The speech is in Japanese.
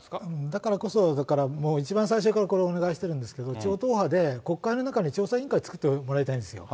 だからこそもう一番最初からこれ、お願いしてるんですけれども、超党派で国会の中に調査委員会を作ってもらいたいんですよ。